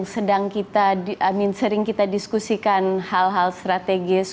sering kita diskusikan hal hal strategis